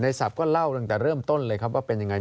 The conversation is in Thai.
ศัพท์ก็เล่าตั้งแต่เริ่มต้นเลยครับว่าเป็นยังไง